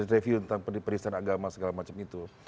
review tentang peristiwa agama segala macam itu